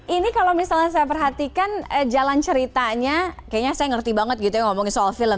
ini kalau misalnya saya perhatikan jalan ceritanya kayaknya saya ngerti banget gitu ya ngomongin soal film